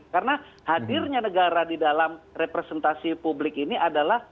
karena hadirnya negara di dalam representasi publik ini adalah